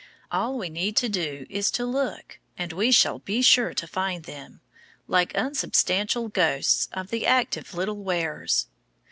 All we need do is to look, and we shall be sure to find them like unsubstantial ghosts of the active little wearers.